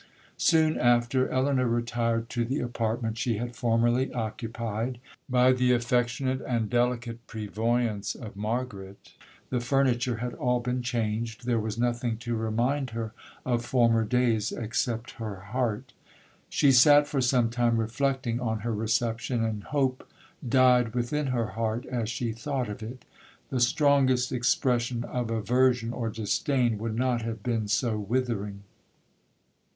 'Soon after, Elinor retired to the apartment she had formerly occupied. By the affectionate and delicate prevoyance of Margaret, the furniture had all been changed—there was nothing to remind her of former days, except her heart. She sat for some time reflecting on her reception, and hope died within her heart as she thought of it. The strongest expression of aversion or disdain would not have been so withering.